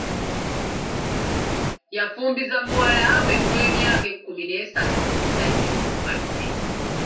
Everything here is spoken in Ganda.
Yafumbiza muwala we ow'emyaka ekkumi n'esatu ku musajja omukadde.